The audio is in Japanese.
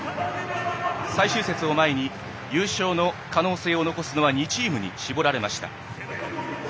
最終節を前に優勝の可能性を残すのは２チームに絞られました。